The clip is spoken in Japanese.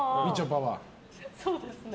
そうですね。